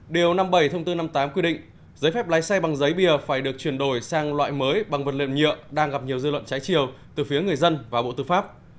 điều năm mươi bảy thông tư năm mươi tám quy định giấy phép lái xe bằng giấy bìa phải được chuyển đổi sang loại mới bằng vật liệu nhựa đang gặp nhiều dư luận trái chiều từ phía người dân và bộ tư pháp